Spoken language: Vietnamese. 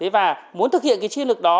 và muốn thực hiện cái chiến lược đó